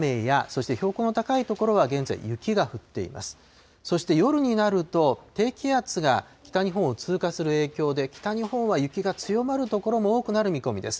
そして夜になると、低気圧が北日本を通過する影響で、北日本は雪が強まる所も多くなる見込みです。